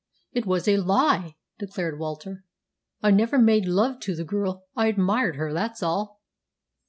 "It was a lie!" declared Walter. "I never made love to the girl. I admired her, that's all."